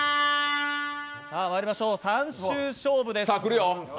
まいりましょう、３周勝負です。